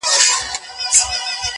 د نامحرمو دلالانو غدۍ!